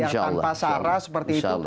yang tanpa sarah seperti itu